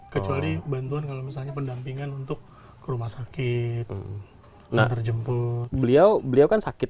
kecuali bantuan kalau misalnya pendampingan untuk ke rumah sakit terjemput beliau beliau kan sakit